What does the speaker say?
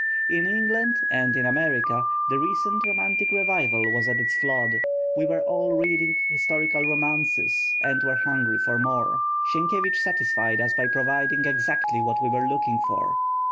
In England and in America the recent Romantic Revival was at its flood; we were all reading historical romances, and were hungry for more. Sienkiewicz satisfied us by providing exactly what we were looking for.